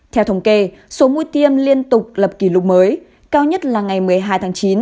theo thống kê số mũi tiêm liên tục lập kỷ lục mới cao nhất là ngày một mươi hai tháng chín